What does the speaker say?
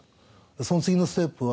その次のステップは、